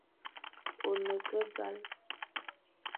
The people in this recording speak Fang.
Ô ne ke e zal,